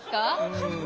うん。